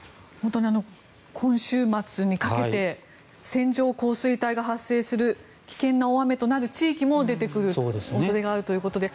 今週末にかけて線状降水帯が発生する危険な大雨となる地域も出てくる恐れがあるということで